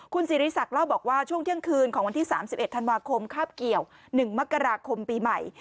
คุณสิริสักเล่าบอกว่าช่วงเที่ยงคืนของวันที่๓๑ธันวาคมคาบเกี่ยว๑มกราคมปีใหม่